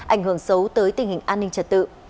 ảnh hưởng xấu tới tình hình an ninh trật tự